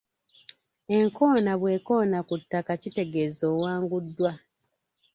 Enkoona bw'ekoona ku ttaka kitegeeza owanguddwa.